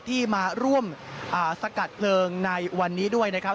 ที่มาร่วมสกัดเพลิงในวันนี้ด้วยนะครับ